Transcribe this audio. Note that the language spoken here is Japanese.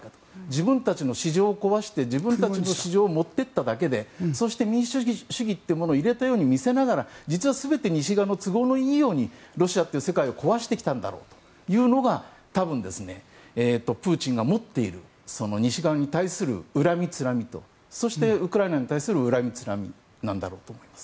自分たちの市場を壊して自分たちの市場を持って行っただけでそして民主主義というものを入れたと見せながら実は全て西側の都合のいいようにロシアという世界を壊してきたんだろうというのが多分、プーチンが持っている西側に対する恨みつらみとそして、ウクライナに対する恨みつらみなんだろうと思います。